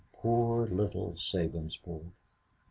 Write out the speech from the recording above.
Poor little Sabinsport!